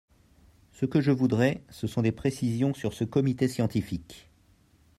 Ce que je voudrais, ce sont des précisions sur ce comité scientifique.